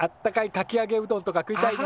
かきあげうどんとか食いたいね。